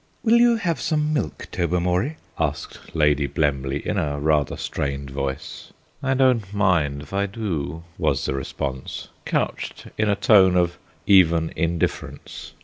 "Will you have some milk, Tobermory?" asked Lady Blemley in a rather strained voice. "I don't mind if I do," was the response, couched in a tone of even indifference.